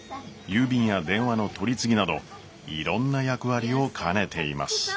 郵便や電話の取り次ぎなどいろんな役割を兼ねています。